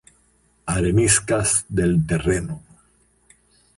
Areniscas del terreno.